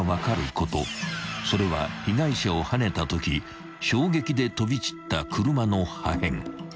それは被害者をはねたとき衝撃で飛び散った］